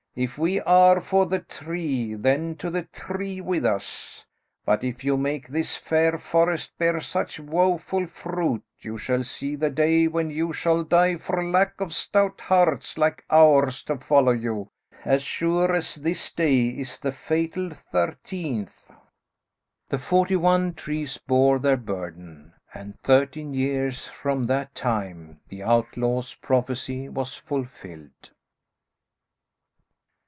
If we are for the tree, then to the tree with us. But if you make this fair forest bear such woeful fruit, you shall see the day when you shall die for lack of stout hearts like ours to follow you, as sure as this day is the fatal thirteenth." The forty one trees bore their burden, and thirteen years from that time the outlaw's prophecy was fulfilled.